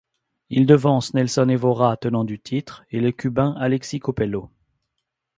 Il devance Nelson Évora, tenant du titre, et le Cubain Alexis Copello.